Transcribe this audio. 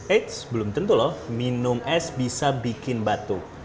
eits belum tentu loh minum es bisa bikin batuk